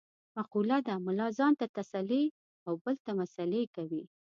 مقوله ده : ملا ځان ته تسلې او بل ته مسعلې کوي.